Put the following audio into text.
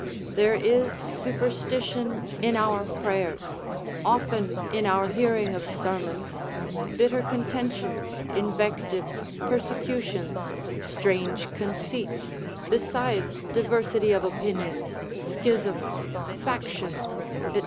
There is superstition in our prayers, often in our hearing of sermons, bitter contentions, invectives, persecutions, strange conceits, besides diversity of opinions, schisms, factions, &c.